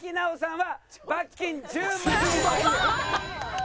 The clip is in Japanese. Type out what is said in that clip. はい。